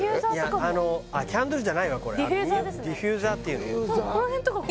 あっキャンドルじゃないわこれディフューザーっていうの？